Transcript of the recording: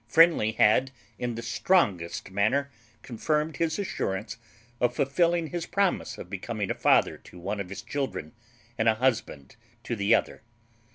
Friendly had in the strongest manner confirmed his assurance of fulfilling his promise of becoming a father to one of his children and a husband to the other.